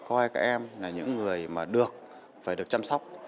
hai cái em là những người mà được phải được chăm sóc